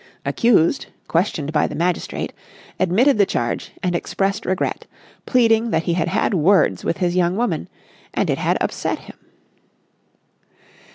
Accused, questioned by the magistrate, admitted the charge and expressed regret, pleading that he had had words with his young woman, and it had upset him.